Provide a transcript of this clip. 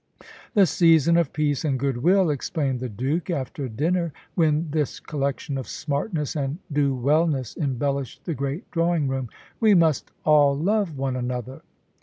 "The season of peace and good will," explained the Duke, after dinner, when this collection of smartness and do wellness embellished the great drawing room. "We must all love one another."